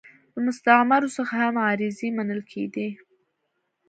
له مستعمرو څخه هم عریضې منل کېدې.